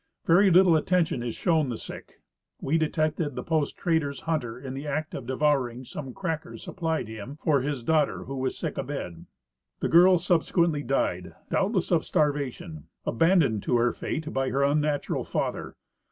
Very little attention is shown the sick. We detected the post trader's hunter in the act of devouring some crackers supplied him for his daughter, who was sick abed. The girl subsequently died, doubt less of starvation, abandoned to her fate by her unnatural father.